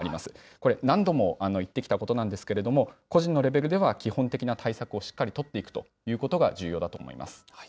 これ、何度も言ってきたことなんですけれども、個人のレベルでは基本的な対策をしっかり取っていくということが重要だと思います。